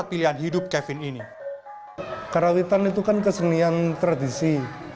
apa sudah aku'll observe kekuasaan ini